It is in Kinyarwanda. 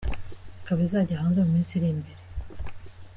Ikaba izajya hanze mu minsi iri imbere.